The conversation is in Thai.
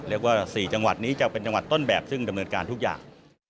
เรียกว่า๔จังหวัดนี้จะเป็นจังหวัดต้นแบบซึ่งดำเนินการทุกอย่าง